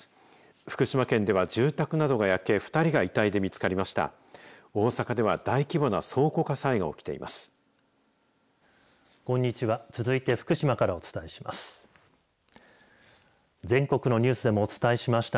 福島県では住宅などが焼け２人が遺体で見つかりました。